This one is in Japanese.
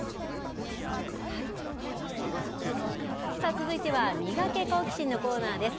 続いてはミガケ、好奇心！のコーナーです。